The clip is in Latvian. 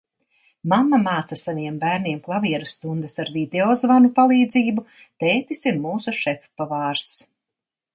Mamma māca saviem bērniem klavieru stundas ar video zvanu palīdzību. Tētis ir mūsu šefpavārs.